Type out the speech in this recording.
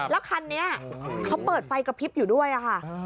แล้วคันนี้เขาเปิดไฟกระพริบอยู่ด้วยค่ะ